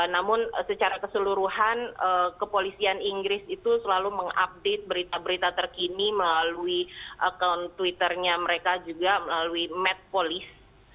namun secara keseluruhan kepolisian inggris itu selalu mengupdate berita berita terkini melalui account twitter nya mereka juga melalui metpolis